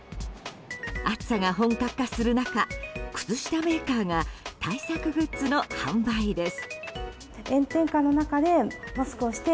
暑さが本格化する中靴下メーカーが対策グッズの販売です。